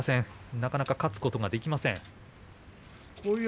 なかなか勝つことができません。